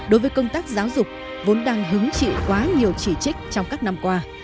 đối với công tác giáo dục vốn đang hứng chịu quá nhiều chỉ trích trong các năm qua